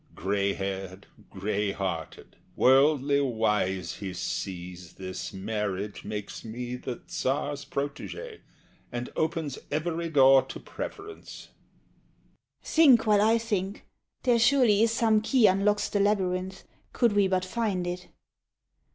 Gray haired, gray hearted, worldly wise, he sees This marriage makes me the Tsar's protege, And opens every door to preference. SHE. Think while I think. There surely is some key Unlocks the labyrinth, could we but find it.